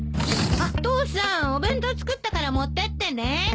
あっ父さんお弁当作ったから持ってってね。